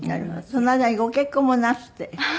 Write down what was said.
その間にご結婚もなすって？